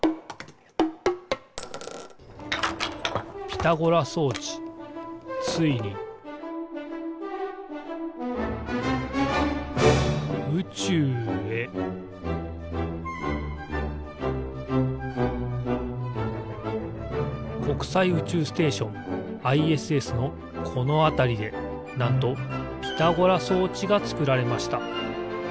ピタゴラ装置ついに宇宙へ国際宇宙ステーションＩＳＳのこのあたりでなんとピタゴラ装置がつくられました。